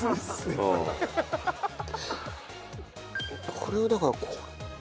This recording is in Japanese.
これをだからこう。